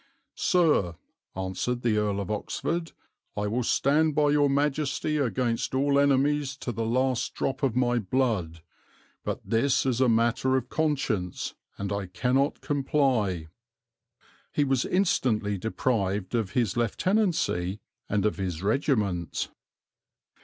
'Sir,' answered the Earl of Oxford, 'I will stand by Your Majesty against all enemies to the last drop of my blood. But this is a matter of conscience and I cannot comply.' He was instantly deprived of his Lieutenancy and of his regiment."